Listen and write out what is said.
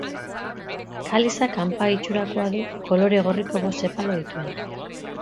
Kaliza kanpai itxurakoa du, kolore gorriko bost sepalo dituena.